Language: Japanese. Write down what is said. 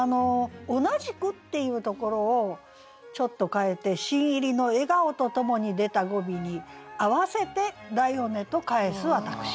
「同じく」っていうところをちょっと変えて「新入りの笑顔と共に出た語尾に合わせて『だよね』と返す私」。